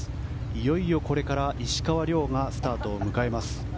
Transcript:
いよいよこれから石川遼がスタートを迎えます。